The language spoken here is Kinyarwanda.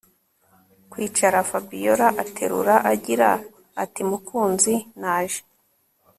kwicara Fabiora aterura agira atimukunzi naje